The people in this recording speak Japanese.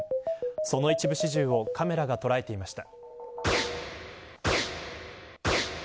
その一部始終をカメラが捉えていました。